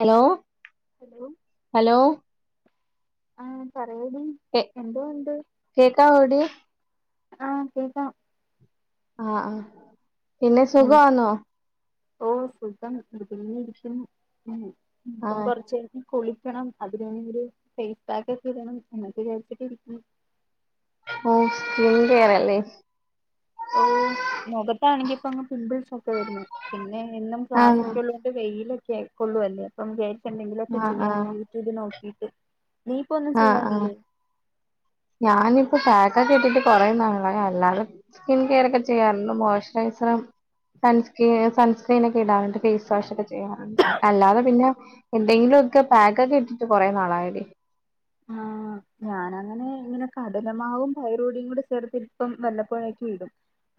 Hello hello hello ആഹ് പറയെടീ കേ എന്തോ ഉണ്ട്? കേക്കാവോടി? ആഹ് കേക്കാം. ആഹ് ആഹ് പിന്നെ എന്ത് സുഖാന്നോ ഓ സുഖം [unintelligible] ഇരിക്കുന്ന് ഉം ഇപ്പം ആഹ് കൊറച്ച് കയിഞ്ഞ് കുളി ളിക്കണം അതിന് വേണ്ടി ഒരു ഫേയ്സ് പാക്കൊക്കെ ഇടണം എന്നൊക്കെ വിചാരിച്ച്ട്ട് ഇരിക്ക്യാന്നു ഓ സ്കിൻ കെയർ അല്ലേ ഓ മൊഖത്താണെങ്കി ഇപ്പം അങ്ങ് പിംമ്പിൾസ് ഒക്കെ വെരന്ന് പിന്നെ എന്നും ആഹ് ക്ലാസ്സൊക്കെ ള്ളോണ്ട് ഇപ്പേ വെയിലൊക്കെ ആയി കൊള്ളു അല്ലേ അപ്പം വിയാരിച്ച് എന്തെങ്കിലോക്കെ ആഹ് ചെയ്യാന്ന് ആഹ് യൂട്യൂബ് നോക്കിട്ട് ആഹ് ആഹ് ഞാന് ഇപ്പം പ്യയാക്കൊക്കെ ഇട്ട് കൊറേന്നാളായി അല്ലാതെ സ്കിൻ കെയറ് ഒക്കെ ചെയ്യാറ്ണ്ട് മോയ്സ്ച്ചാ റൈസറും സൺസ്ക്രിൻ സൺസ്ക്രീനൊക്കെ ഇടാറ്ണ്ട് ഫേസ് വാഷാക്കെ ചെ ചെയ്യാറൊണ്ട് അല്ലാതെ പിന്നെ എന്തെങ്കിലുംക്കെ പാക്ക്‌ ഒക്കെ ഇട്ട് ട്ട് കൊറെ നാളായ് ഡീ ആഹ് ഞാനങ്ങനെ ഇങ്ങനെ കടലമാവും പയറ്പൊടിയും കൂടെ ചേർത്ത് ഇപ്പം വല്ലപ്പോഴേക്കും ഇടും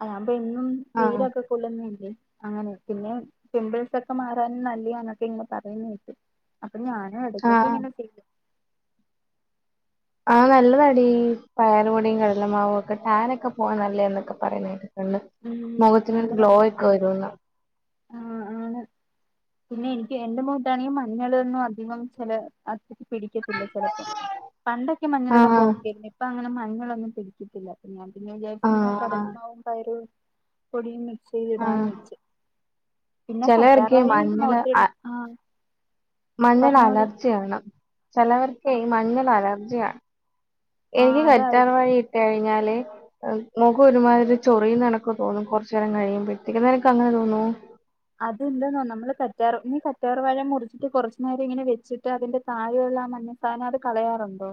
ആഹ് അപ്പോ ന്നും ആഹ് വെയ്ലൊക്കെ [unintelligible] അങ്ങനെ പിന്നെ പിമ്പിൾസ് ഒക്കെ മാറാന് നല്ലിയ എന്നൊക്കെ ഇങ്ങനെ പറയ്ന്നേ കേട്ട് അപ്പൊ ഞാനും എടക്കൊക്കെ ആഹ് ഇങ്ങനെ ചെയ്യും ആഹ് നല്ല താഡീ പയർപൊടിയും കടലമാവും ഒക്കെ ടാൻനൊക്കെ പോവാൻ നല്ലാന്ന്ക്കെ പറയ്ന്നേ കേട്ട് [unintelligible] ഉം മൊഖത്തിനൊര് ഗ്ലോ നല്ലതാണ് ഒക്കെ വെരുന്ന് ആഹ് ആണ് പിന്നെ എനിക്ക് എന്റെ മൊഖാത്തണാങ്കി മഞ്ഞളൊന്നും അധികം ചെല അത്രക്ക് പിടിക്ക്യാത്തില്ല ചെലപ്പോ പണ്ടൊക്കെ ആ മഞ്ഞള് ഇട്മ്പോ ഓക്കെ ആര്ന്ന് ഇ ഇപ്പൊ അങ്ങനെ മഞ്ഞളൊന്നും പിടിക്ക്യിത്തില്ല അപ്പം ഞാൻ പിന്നെ ആ വിജാരിച്ച് കടലാ മാവും പയറുപൊ പൊടിയും മിക്സെയ്ത് ആ ഇടാന്ന് വെച്ച് പിന്നെ കറ്റാർ ചിലവർക്ക് ഈ വാഴെമ് മോഖത്ത് ഇടും ആഹ് മഞ്ഞള് പറഞ്ഞോടി അലർജിയാണ് ചെലവർക്കേ ഈ ആഹ് മഞ്ഞള് അലർജിയാ ആഹ് എനിക്ക് അതായിരിക്കും കറ്റാർവാഴ ഇട്ട് കയിഞ്ഞാല് ഉം മൊഖം ഒര് മാതിരി ചൊറിയ്ന്ന കണക്ക് തോന്നും കൊറച്ച് നേരം കഴിയുമ്പോത്തേക്ക് നിനക്ക് അങ്ങനെ തോന്നോ അത് ന്തന്നോ നമ്മള് കറ്റാർവാഴ നീ കറ്റാർ വാഴ മുറിച്ചിട്ട് കൊറച്ച് നേരം ഇങ്ങനെ വെച്ചിട്ട് അതിന്റെ താഴെയൊള്ളാ മഞ്ഞ താന് അത് കളയാറൊണ്ടോ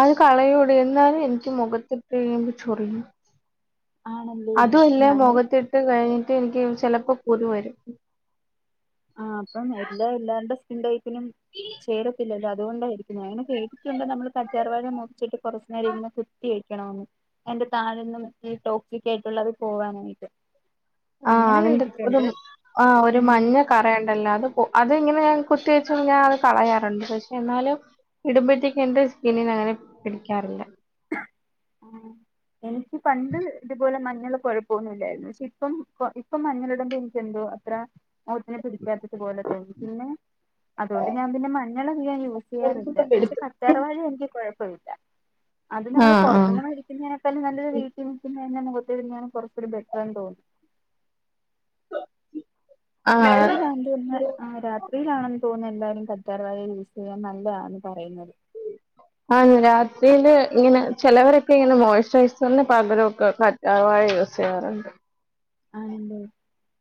അത് കളായോടെ എന്നാലും എന്ക്ക് മൊഖത്ത് ഇട്ട് കയിമ്പോ ചൊറിയും ആണല്ലേ അതും അല്ലേ ഞാന് മൊഖത്ത് ഇട്ട് കയിഞ്ഞ് ഇട്ട് എനിക്ക് ചെലപ്പോ കുരു വരും ആഹ് അപ്പം എല്ലാ എല്ലാർണ്ടേ സ്കിൻ ടൈപ്പിനും ചേരത്തില്ലല്ലോ അത് കൊണ്ടായ് ഞാന് ങ്ങനെ കേട്ടിട്ടൊണ്ട് നമ്മള് കറ്റാർ വാഴ മുർച്ചിട്ട് കൊറച്ച് നേരം ഇങ്ങനെ കുത്തി വെക്ക്യാണോന്ന് അയ്ന്റെ താഴെ [unintelligible] ഈ ടോക്ക്സായിക്കേട്ടേ ഒള്ളത് പോവാനായിട്ട് ആഹ് അങ്ങനെ അതിന്റെ ഒര് കേട്ടിട്ടുണ്ട് ആഹ് ഒര് ഉം മഞ്ഞ കറയ്ണ്ടല്ലോ അത് പേ അത് ഇങ്ങനെ ഞാൻ കുത്തിവെച്ച് ഞാൻ അത് കളായാറോണ്ട് പശേ എന്നാലും ഇട്ബഴ്‌ത്തേക്ക് എൻ്റെ സ്കിനിന് അങ്ങനെ പിടിക്ക്യാറില്ല ആഹ് എനിക്ക് പണ്ട് ഇതുപോലെ മഞ്ഞള് കൊഴപ്പമൊന്നും ഇല്ലാര്ന്നു ശെ ഇപ്പം ഇപ്പം മഞ്ഞള് ഇട്മ്പോ എനിക്ക് എന്തോ അത്ര [unintelligible] പോലെ തോന്നും പിന്നെ അതോണ്ട് ഞാൻ പിന്നെ മഞ്ഞള് അധികം അങ്ങ് യൂസ് ചെയ്യാറില്ല പശേ കാറ്റാർ വാഴ എനിക്ക് കൊഴപ്പം ഇല്ല അത് നമ്മള് ആഹ് ആഹ് പൊറത്ത്ന്ന് മോടിക്ക്ന്നെക്കാളും നല്ലത് വീട്ടി നിക്ക് അന്നെ [unintelligible] കൊറാച്ചുടെ ബെറ്ററാ തോന്നും [unintelligible] ആഹ് ആഹ് രാത്രിയിലാണ് എന്ന് തോന്നുന്ന് എല്ലാരും കറ്റാർ വാഴ യൂസ് ചെയ്യാൻ നല്ലേയാന്ന് പറയ്ന്നത് ആന്ന് രാത്രിയില് ഇങ്ങനെ ചെലവരൊക്കെ ഇങ്ങനെ മോയ്സ്റൈസറിന് പകരൊക്കെ കറ്റാ റ്റാർവാഴ യൂസ് ചെയ്യാറോണ്ട് ആണ് ല്ലോ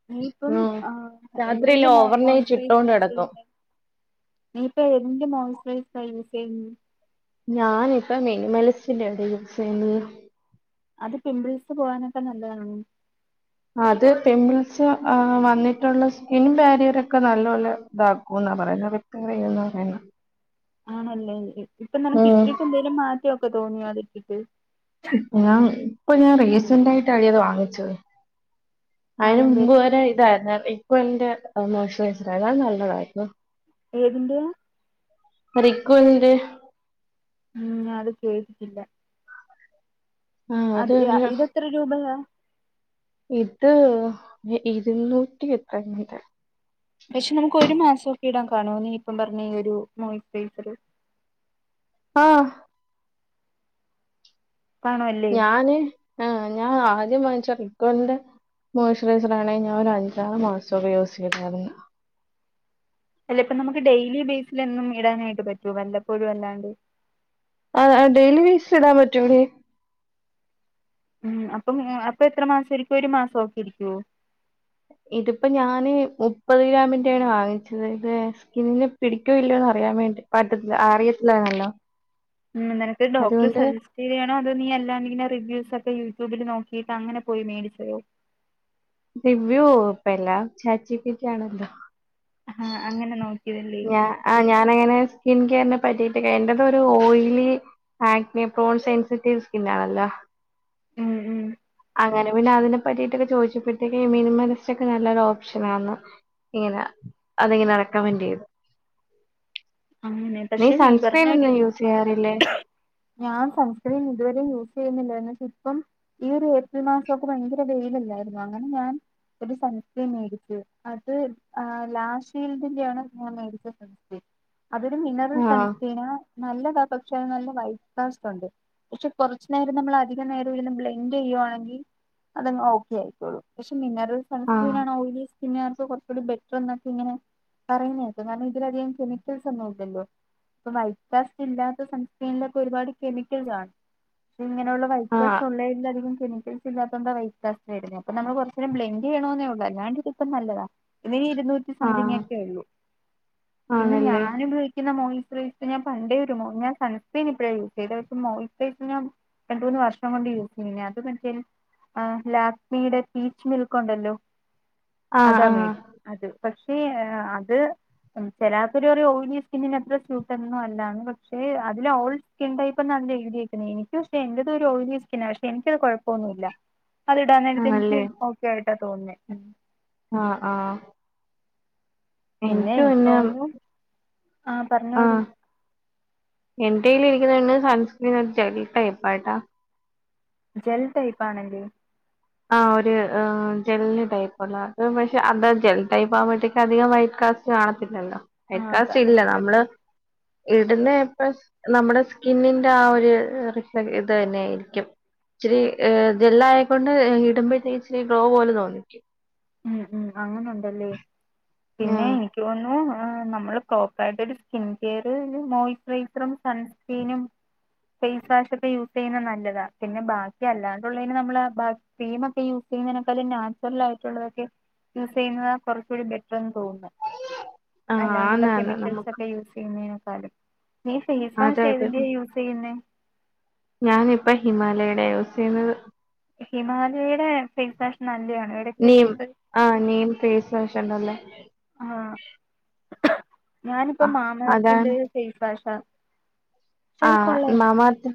നീയിപ്പം ഉം ആഹ് എന്തിന്റ രാത്രിയില് മോയ് ഓവർനൈറ്റ് മോയ്സ്ച്ചറൈസറാ ഇട്ടോണ്ട് യൂസ് കിടക്കും ചെയ്യ്ന്നേ നീ ഇപ്പേ എന്തിന്റെ മോയ്സ്ചറൈസറാ യൂസെയ്യ്ന്നേ ഞാന് ഇപ്പം മിനിമലിസ്റ്റ്ന്റെടീ യൂസെയ്യ്ന്നേ അത് പിംമ്പിൾസ് പോകാനൊക്കെ നല്ലയാണോ അത് പിംമ്പിൾസ് ഏ വന്നിട്ട്ള്ള സ്കിൻ ബാരിയറെക്കെ നല്ലോല്ലെ ഇതാക്കൂന്നാ പറയ്ന്നേ വി [unintelligible] പറയ്ന്നേ ആണ് അല്ലേ ഇപ്പൊ നിനക്ക് ഉം ഇട്ട്ട്ട് എന്തേലും മാറ്റോക്കെ തോന്നിയോ അത് ഇട്ട്ട്ട് ഇപ്പം ഞാൻ ഇപ്പം ഞാൻ റീസന്റ് ആയിട്ടാടീ അത് വാങ്ങിച്ചത് അതിന് ആണല്ലേ മുമ്പ് എത്ര- വരെ ഇതായിരുന്നു ഇപ്പ എന്റെ മോസ്ചറൈസറേക്കാൾ നല്ലതായിരുന്നു ഏതിന്റെ റിക്വലിന്റെ ഉം ഞാനത് കേട്ടിട്ടില്ല ആ അത് യാ ഒരു ഇതെത്ര രൂപയാ ഇത് ഇര്ന്നൂറ്റി എത്രങ്ങാണ്ടാ പക്ഷെ നമുക്ക് ഒരു മാസൊക്കെ ഇടാൻ കാണോ നീ ഇപ്പം പറഞ്ഞ ഈ ഒരു മോയിസ്ചറൈസർ ആഹ് കാണുമല്ലേ ഞാന് ആഹ് ഞാൻ ആദ്യം വങ്ങിച്ച റിക്കൊല്ന്റെ മോസ്ചറൈസറാണെ ഞാൻ ഒരു അഞ്ചാറ് മാസൊക്കെ യൂസെയ്തായിരുന്നു ചെലേപ്പം നമുക്ക് ഡെയ്ലി ബേസില് എന്നും ഇടാനായിട്ട് പറ്റോ വല്ലപ്പോഴും അല്ലാണ്ട് ആഹ് ആഹ് ഡെയിലി [unintelligible] പറ്റൂലേ ഉം അപ്പം അപ്പൊ എത്ര മാസയിരിക്കും ഒര് മാസൊക്കെ ഇരിക്കോ ഇത്പ്പോ ഞാന് മുപ്പത് ഗ്രാമിന്റാണ് വാങ്ങിച്ചത് ഇത് സ്കിന് പിടിക്കോ ഇല്ലോന്ന് അറിയാൻ വേണ്ടി പറ്റത്തി അറിയത്തില്ലാര്ന്നല്ലോ ഉം നിനക്ക് ഡോക്ടറെ സജസ് റ്റെയ്താണോ അത് നീ അല്ലാതെ ഇങ്ങനെ റിവ്യൂസൊക്കെ യൂട്യൂബില് നോക്കീട്ട് അങ്ങനെ പോയി മേടിച്ചതോ റിവ്യൂ ഇപ്പല്ല ചാറ്റ്ജിപ്പിട്ടിയാണല്ലോ ആഹ് ആഹ് അങ്ങനെ നോക്കിയതല്ലേ ആഹ് ഞാനങ്ങനെ സ്കിൻ കെയറിനെ പറ്റിയിട്ടെക്കെ എന്റേതൊര് ഓയിലി ആഗ്നപ്രോൾ സെൻസിറ്റീവ് സ്കിനാണല്ലോ ഉം ഉം അങ്ങനെ പിന്നെ അതിനെ പറ്റീട്ടൊക്കെ ചോയിച്ചപ്പഴത്തേക്ക് മിനിമലിസ്റ്റോക്കെ നല്ലൊരു ഓപ്ഷനാന്ന് ഇങ്ങനെ അതിങ്ങനെ റെക്കമന്റെയ്ത് അങ്ങനെ നീ പക്ഷെ പറഞ്ഞ ഒരു സൺസക്രീനൊന്നും യൂസെയ്യാറില്ലേ ഞാൻ സൺസ്ക്രീൻ ഇതുവരെ യൂസെയ്യുന്നില്ലാര്ന്നു പക്ഷെ ഇപ്പം ഈ ഒരു ഏപ്രിൽ മാസൊക്കെ ഭയങ്കര വെയിലില്ലായിരുന്നോ അങ്ങനെ ഞാൻ ഒരു സൺസ്ക്രീം മേടിച്ചു അത് ലാശീൽഡ്ന്റെ ആണ് ഞാൻ മേടിച്ചത് അതൊരു മിനറൽ ആഹ് സൺസ്ക്രീനാ നല്ലതാ പക്ഷെ നല്ല വൈറ്റ്കാസ്റ്റുണ്ട് പക്ഷെ കൊറച്ചു നേരം നമ്മള് അധിക നേരം ഇരുന്ന് ബ്ലെൻഡ് ചെയ്യുവാണെങ്കി അതങ്ങ് ഓക്കെ ആയിക്കോളും പക്ഷെ മിനറൽ ആഹ് സൺസ്ക്രീനാണ് ഓയിലി സ്കിന്നാറ്ക്ക് കൊറച്ചൂടിം ബെ [unintelligible] ഇങ്ങനെ പറയുന്ന കേക്കും കാരണം ഇതിലധികം കെമി ക്കല്സൊന്നും ഇല്ലല്ലോ ഇപ്പൊ വൈക്കാസ്റ്റ് ഇല്ലാത്ത സൺസ്ക്രീനിലൊക്കെ ഒരുപാട് കെമിക്കൽ കാണും പക്ഷെ ഇങ്ങനെയുള്ള ആഹ് വൈറ്റ്കാസ്റ്റ് ഉള്ളേലധികം കെമിക്കൽസ് ഇല്ലാത്തൊണ്ടാ വൈ റ്റ് കാസ്റ്റ് ഇടുന്നേ അപ്പ നമ്മള് കൊറച്ചേരം ബ്ലെന്റെയ്യ്ണോന്നേ ഒള്ളൂ അല്ലാണ്ട് ഇതിപ്പം നല്ലതാ പിന്നെ ഈ ഇര്ന്നൂ റ്റി ആഹ് സംതിങ്ങെക്കെ ഒള്ളൂ പിന്നെ ആണല്ലേ ഞാനുപ യോഗിക്കുന്ന മോയിചറൈസർ ഞാൻ പണ്ടേ ഒരു മോ ഞാൻ സൺസ്ക്രീൻ ഇപ്പഴാണ് യൂസെയ്തെ പക്ഷെ മോയിചറൈസർ ഞാൻ രണ്ട് മൂന്ന് വർഷം കൊണ്ട് യൂസെയ്യ്നാ അത് [unintelligible] ആ ലാക്മിയുടെ പീച്ച് മിൽക്കൊണ്ടല്ലോ ആഹ് അതാ ആഹ് മേഡ് അത് പക്ഷേ അത് ശരാശരി ഒരു ഓയിലി സ്കിന്നിന് അത്ര സ്യൂട്ടന്നും അല്ലന്ന് പക്ഷെ അതിൽ ഓൾ സ്കിൻ ടൈപ്പെന്നാണല്ലോ എഴുതിയക്കുന്നെ എനിക്ക്‌ പക്ഷെ എന്റെറത് ഒരു ഓയിലിസ്കിന്നാ പക്ഷെ എനിക്കത് കുഴപ്പൊന്നുല്ല അതിടാൻ നേരത്ത് എനിക്ക് ആണല്ലേ ഓക്കേ ആയിട്ടാ തോന്നുന്നേ മ് ആഹ് ആഹ് എനിക്ക് പിന്നെ ആ പറഞ്ഞോടി ആഹ് എന്റെ കയ്യിൽ ഇരിക്കുന്ന സൺസ്ക്രീൻ ഒരു ജെല്ലി ടൈപ്പാ കേട്ട ജെൽ ടൈപ്പാണല്ലെ ആഹ് ഒരു ജെല്ല് ടൈപ്പ്ള്ള പക്ഷെ അന്താ ജെൽ ടൈപ്പ് ആവുമ്പോഴത്തേക്ക അധികം വൈ കാ റ്റ് കാണത്തില്ലല്ലോ ആ വൈകാസ്റ്റ് ഇല്ല കാണത്തില്ല നമ്മള് ഇടുന്ന എ പ്ലസ് നമ്മടെ സ്കിന്നിന്റെ ആ ഒരു റിഫ്ല ഇത് തന്നെ ആയിരിക്കും ഇച്ചിരി ഏഹ് ജെല്ലായെക്കൊണ്ട് ഇടുമ്പോഴത്തേക്ക് ഇച്ചിരി ഗ്ലോ പോലെ തോന്നിക്കും ഉം ഉംഅങ്ങനെ ഒണ്ടല്ലേ ഉം പിന്നെയ് ക്കോന്നു നമ്മള് പ്രോപ്പർ ആയിട്ടൊരു ഒരു സ്കിൻ കെയറ് മോയ്സ്ചറൈസറും സൺസ്ക്രീനും ഫേസ് വാഷ് ഒക്കെ യൂസ് ചെയ്യുന്നത് നല്ലതാ പിന്നെ ബാക്കി അല്ലാണ്ടുള്ളതിന് നമ്മൾ ബാ പീം മൊക്കെ യൂസ് ചെയ്യുന്നതിനേക്കാലും നാച്ചുറൽ ആയി ട്ട് ള്ളൊതൊക്കെ യൂസെ യ്യുന്നത കൊറച്ചുകൂടി ബെറ്റർന്ന് തോന്നുന്നെ ആ അല്ലാണ്ടുള്ള ആന്നാന്ന് കെമിക്കൽസ് നമുക്ക് ഒക്കെ യൂസ് ചെയുന്നേനെക്കാലും നീ ഫേയ്സ് വാഷ് ഏതിന്റെ അതായിപ്പ യ യൂസ് ചെയ്യുന്നേ ഞാനിപ്പ ഹിമാലയയൂടെ യൂസെ യ്യുന്നത് ഹിമാലയുടെ ഫേസ് വാഷ് നല്ലയാ നീം ആഹ് നീം ഫേസ് വാഷ് ഉണ്ടല്ലേ ആ ഞാനിപ്പോ ആ അതാണ് മാമഎർത്തിന്റെയും ഫെയ്സ് വാഷ ആഹ് മാമ എർത്ത്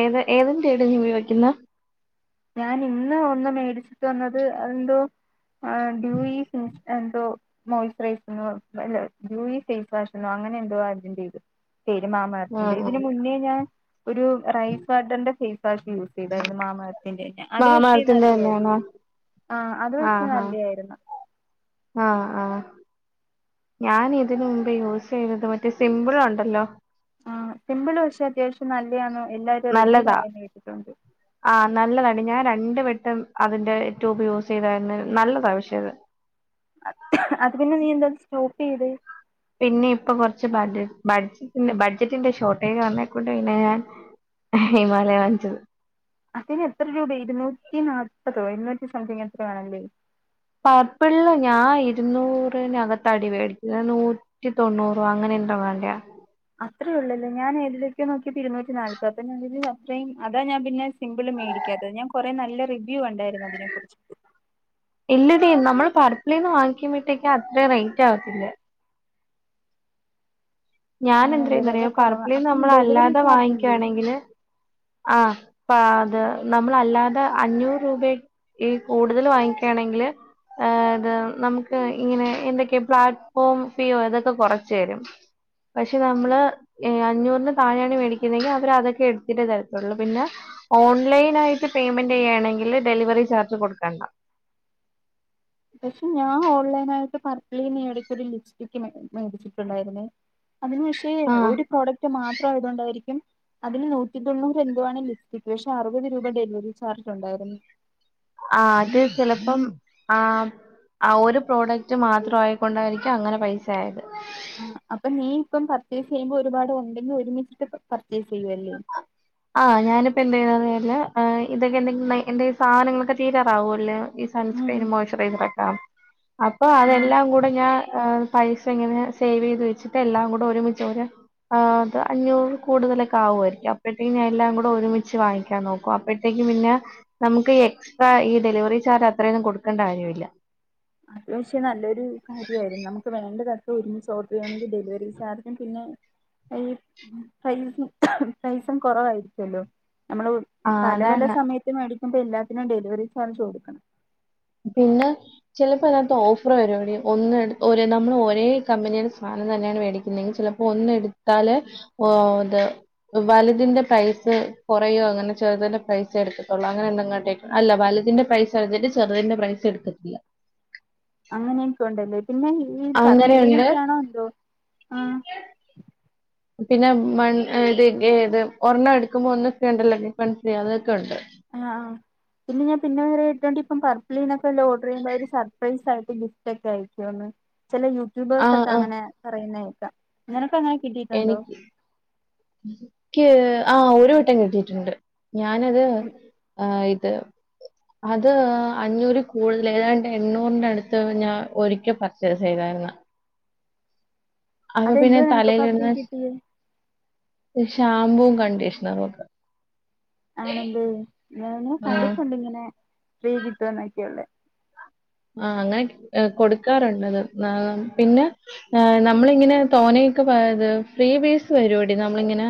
ഏത് ഏത് ന്റെടി നീ ഉപയോഗിക്കുന്ന ഞാൻ ഇന്ന് ഒന്ന് മേടിച്ചിട്ട് വന്നത് എന്തോ ആഹ് ഡ്യൂ യിഫും എന്തോ മോയ്സ്ചറൈസർ ന്നൊ അല്ല ജൂയി ഫേസ് വാഷ്ന്നോ അങ്ങനെഎന്തോ ഇതിന്റെ ഇത് പേര് മാമഎർത്തിന്റെ ആഹ് ഇതിന് ആഹ് മുന്നേ ഞാൻ ഒരു റൈസ് ഫാർഡന്റെ ഫേസ് വാഷ് യൂസ് ഇതായിരുന്നു മാമഎർത്തിന്റെ അത് പക്ഷേ മാമഅർത്തിന്റെ നല്ല ആര് തന്നെയാണോ ആഹ് അത് പക്ഷേ ആഹ് ആഹ് നല്ലയാരുന്ന് ആഹ് ആഹ് ഞാൻ ഇതിന് മുമ്പേ യൂസ് ചെയ്തത് മറ്റേ സിമ്പിൾ ഒണ്ടല്ലോ ആ സിമ്പിള് പക്ഷെ അത്യാവശ്യം നല്ലയാന്ന് എല്ലാവരും റിവ്യൂ നല്ലതാ പറയുന്നെ കേട്ടിട്ടുണ്ട് ആഹ് നല്ലതാണ് ഞാൻ രണ്ട് വെട്ടം അതിന്റെ ട്യൂബ് യൂസ് ചെയ്തായിരുന്നു നല്ലതാണ് പക്ഷേത് അത് പിന്നെ നീ എന്ത സ്റ്റോപ്പ് ചെയ്തെ പിന്നെ ഇപ്പൊ കൊറച്ച് ബഡ് ബഡ്ജറ്റിന്റെ ബഡ്ജറ്റിന്റെ ഷോട്ടേജ് വന്നേ കൊണ്ടേ പിന്നെ ഞാൻ ഹിമാലയ വാങ്ചത് അതിന് എത്ര രൂപ ഇരുന്നൂറ്റി നാല്പതോ ഇരുന്നൂറ്റി സംതിങ് എത്ര വേണങ്കി പാർപ്പിള്ള്ല് ഞാൻ ഇരുന്നൂറിനകത്താടി വെടിക്കല് നൂ നൂറ്റി തൊണ്ണൂറോ അങ്ങനെയൊന്തോങ്ങാണ്ടെയ അത്രേ ഉള്ളല്ലേ ഞാൻ ഏതിലൊക്കെയൊ നോക്കയപ്പോ ഇരുന്നൂറ്റി നാൽപ്പത് പിന്നെ ഞാൻ കരുതി ഫസ്ടൈം അതാ ഞാൻ പിന്നെ പിമ്പിള് മേടിക്കാത്തത് ഞാൻ കുറെ നല്ല റിവ്യൂ കണ്ടാരുന്നു അതിനെ കുറിച് ഇല്ലടീ നമ്മള് പർപ്പിളീന്ന് വാങ്ങിക്കുമ്പോഴത്തേക്ക്‌ അത്ര റേറ്റ് ആവത്തില്ല ഞാൻ ആണല്ലേ വില എന്ത്‌റിയോന്നറിയോ കുറവാ പർപ്പിളി അപ്പം നമ്മൾ ഡെലിവറി അല്ലാതെ ചാർജ് ഇല്ലേ വാങ്ങിക്കുവാണങ്കില് ആ, പാത് നമ്മളല്ലാതെ അഞ്ഞൂറ് രൂപ ഈ കൂടുതല് വാങ്ങിക്കാ ണെങ്കില് തഇത് ന്നമക്ക് ഇങ്ങനെ എന്തൊക്കെയ പ്ലാറ്റ്ഫോം ഫീയൊ ഇതൊക്കെ കുറച്ച് തരും പക്ഷെ നമ്മള് അഞ്ഞൂറിന് താഴെയാണ് മേടിക്കുന്നെങ്കിൽ അവര് അതൊക്കെ എടുത്തിട്ട് തരൂ ള്ളൂ പിന്നെ ഓൺലൈൻ ആയിട്ട് പേയ്മെന്റ് യ്യാ ണങ്കി ല് ഡെലിവറി ചാർജ് കൊടുക്കണ്ട പക്ഷെ ഞാൻ ഓൺലൈൻ ആയിട്ട് പർക്കലിടക്ക്ഒരു ലിഫ് റ്റിക്ക് മേടിച്ചിട്ടുണ്ടായിരുന്നേ അതിന് ക്ഷേ ആഹ് ഒരു പ്രോഡക്റ്റ് മാത്രം ആയതുകൊണ്ടായിരിക്കും അതിൽ നൂറ്റി തൊണ്ണൂറ് എന്തുവാണ് ലിഫ്റ്റിക്ക് പക്ഷെ അറുപത് രൂപ ഡെലിവറി ചാർജ് ഉണ്ടായിരുന്നു ആ ഹഅത് ചെലപ്പം ആഹ് ആ ഒരു പ്രോഡക്റ്റ് മാത്ര ആയിക്കൊണ്ടായിരിക്കാം അങ്ങനെ പൈസായത് അപ്പൊ നീ ഇപ്പം പർച്ചേസ് ചെയ്യുമ്പോ ഒരുപാട് ഉണ്ടെങ്കിൽ ഒരുമിച്ചിട്ട് പർച്ചേസ് ചെയ്യുവല്ലേ ആ, ഞാനിപ്പന്തയ്യ അറിയില്ല ഇതൊക്കെ എന്തെങ്കിലും സാധനങ്ങളൊക്കെ തീരാറാവുല്ല ഉം സൺസ്ക്രീൻ മോയ്സ്റയും ക ക്കാം അപ്പൊ ആഹ് അതെല്ലാം കൂ ഇപ്പഞാൻ പൈസ എങ്ങനെ സേവ് ചെയ്ത് വെച്ചിട്ട് എല്ലാം കൂടെ ഒരുമിച്ചു ഓരോ ആ അത് അഞ്ഞൂറ് കൂടുതലൊക്കെ ആവുആ യിരിക്കാം അപ്പോഴ് ത്തിന് ഞാൻ എല്ലാം കൂടെ ഒരുമിച്ച് വാങ്ങിക്കാൻ നോക്കും അപ്പ ഴ്തേക്ക് പിന്നെ നമുക്ക് ഈ എക്സ്ട്രാ ഈ ഡെലിവറി ചാർജ് അത്രയൊന്നും കൊടുക്കണ്ട കാര്യവില്ല അത് പക്ഷേ നല്ലൊരു കാര്യവായിരുന്നു നമുക്ക് വേണ്ടതക്ക ഒരുമിച്ചോഡറെയ്യാണെങ്കി ഡെലിവറി ചാർജും പിന്നെ ഈ ഉം പ്രൈസ് പ്രൈസും കൊറവായിരിക്കുവല്ലോ നമ്മളൂ ആ പല പല അതാണ് സമയത്ത് മേടിക്കുമ്പ എല്ലാത്തിനും ഡെലിവറി ചാർജ് കൊടുക്കണം പിന്നെ ചെലപ്പ അയിനാത്ത് ഓഫറ് വരുവെടീ ഒന്നെട് ഒരേ നമ്മള് ഒരേ കമ്പനിയുടെ സാനം തന്നെയാണ് മേടിക്കുന്നെങ്കി ചെലപ്പ് പ്പൊ ഒന്നെടുത്താല് ഓത് വലുതിന്റെ പ്രൈസ് കൊറയോ അങ്ങനെ ചെറുതിന്റെ പൈസ എടുക്കത്തൊള്ളൂ അങ്ങനെ എന്തെങ്ങാണ്ടേ അല്ല വല്തിന്റെ പ്രൈസെട്ത്തിട്ട് ചെറുതിന്റെ പ്രൈസെട്ക്കത്തില്ല അങ്ങനെയൊക്കൊണ്ടല്ലേ പിന്നെ ഈ അങ്ങനെയുണ്ട് പർപ്പിളീന്നൊക്കെയാണോ എന്തോ ആഹ് പിന്നെ വൺ ഏഹ് ഇത് ഏത് ഒരെണ്ണം എടുക്കുമ്പോ ഒന്ന് ഫ്രീയൊണ്ടല്ലോ ഗെറ്റ് വൺ ഫ്രീ അതൊക്കെ ഒണ്ട് ആഹ് പിന്നെ ഞാ പിന്നെ വേറെ കേട്ടിട്ടുണ്ടിപ്പം പർപ്പിളീന്നൊക്കെ വല്ലോ ഓർഡറെയ്യുമ്പോ അവര് സർപ്രൈസായിട്ട് ഗിഫ്റ്റൊക്കെ അയക്കുവെന്ന് ചെല ആ യൂട്യൂബേഴ്സൊക്കെ ആ അങ്ങനെ പറയുന്ന കേക്കാം നിനക്കങ്ങനെ കിട്ടിയിട്ടുണ്ടോ ക്ക്യ് ആഹ് ഒരു വട്ടം കിട്ടീട്ട്ണ്ട് ഞാനത് ആഹ് ഇത് അത് അഞ്ഞൂറീ കൂടുതലേതാണ്ട് എണ്ണൂറിന്റടുത്ത് ഞാൻ ഒരിക്ക പർച്ചേസ് ചെയ്താരുന്ന് അപ്പ പിന്നെ അതെന്തുവാ നിനക്കിപ്പോ ആ തലേലിടുന്ന ഫ്രീ കിട്ടിയേ ഷ് ഷാംപൂം കണ്ടീഷണറുവൊക്ക ആണല്ലേ ഞാന് ആ, കണ്ടിട്ടുണ്ട് ഇങ്ങനെ ഫ്രീ കിട്ടുമെന്നൊക്കെയൊള്ളെ ആഹ് അങ്ങനെ കി ഏഹ് കൊടുക്കാറുണ്ടത് നാ പിന്നെ ഏഹ് നമ്മളിങ്ങനെ തോനെയെക്ക പാ ഇത് ഫ്രീ ബീസ് വരുവെടി നമ്മളിങ്ങനെ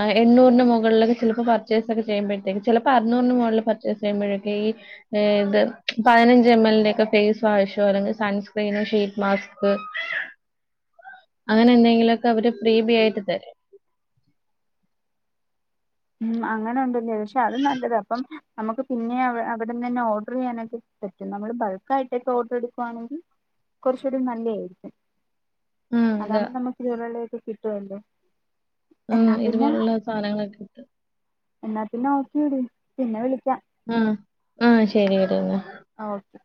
ആഹ് എണ്ണൂറിന് മുകളിലൊക്കെ ചെലപ്പ പർച്ചേസക്ക ചെയ്യുമ്പഴത്തേക്ക് ചെലപ്പ അറുന്നൂറിന് മുകളില് പർച്ചേസ് ചെയ്യുമ്പഴൊക്കെ ഈ ഏഹ് ഇത് പതിനഞ്ച് എം എൽ ന്റെ ക്ക ഫേസ് വാഷോ അല്ലെങ്കി സൺസ്ക്രീന് ഷീറ്റ് മാസ്ക് അങ്ങനെന്തെങ്കിലു ഒക്കെ അവര് ഫ്രീ ബീ ആയിട്ട് തരും ഉം അങ്ങനൊണ്ടല്ലേ പക്ഷെ അത് നല്ലതാ അപ്പം നമുക്ക് പിന്നേ അവ് അവിടന്നന്നെ ഓർഡർ ചെയ്യാനക്കെ പറ്റും നമ്മള് ബൾക്കായിട്ടൊക്കെ ഓർഡറെടുക്കുവാണെങ്കി കൊറച്ചൂടി നല്ലേയിരിക്കും ആ അതാ. അതാവുമ്പ നമ്മക്ക് ഇതുപോലൊള്ളയൊക്കെ കിട്ടുവല്ലേ ഉം ഇതുപോലുള്ള സാധനങ്ങളൊക്കെ കിട്ടും എന്നാപ്പിന്നെ ഓക്കേടി പിന്നെ വിളിക്കാം ആഹ് ആഹ് ശരിയടിഎന്നാ ആഹ് ഓക്കെ